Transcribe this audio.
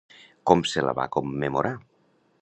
Com se la va commemorar?